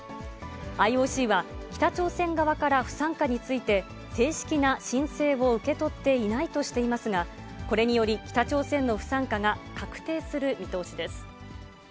ＩＯＣは、北朝鮮側から不参加について、正式な申請を受け取っていないとしていますが、これにより、北朝鮮の不参加が確定する見通しです。